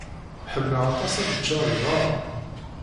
Ḥemmleɣ aṭas ad ččeɣ deg beṛṛa.